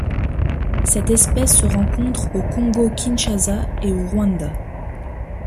Cette espèce se rencontre au Congo-Kinshasa et au Rwanda.